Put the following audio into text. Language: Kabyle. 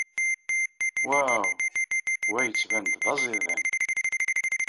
Waw! Wa yettban-d d aẓidan!